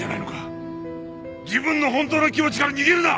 自分の本当の気持ちから逃げるな！